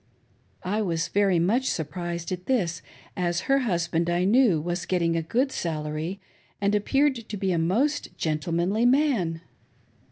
I was very much surprised at this, as her husband, I knew, was getting a good salary, and appeared to be a most gentle manly man.